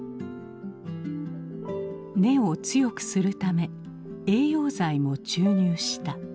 根を強くするため栄養剤も注入した。